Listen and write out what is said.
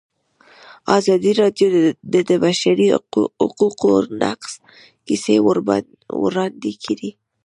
ازادي راډیو د د بشري حقونو نقض کیسې وړاندې کړي.